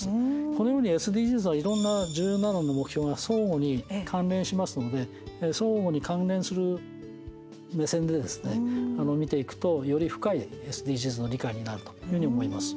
このようにＳＤＧｓはいろんな１７の目標が相互に関連しますので相互に関連する目線でですね見ていくとより深いＳＤＧｓの理解になるというように思います。